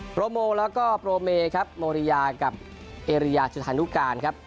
โปรโมแล้วก็โปรเมครับโมริยากับเอเรียจุธานุการครับ